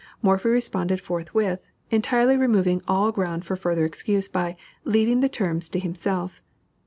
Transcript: Morphy responded forthwith, entirely removing all ground for further excuse by "leaving the terms to himself."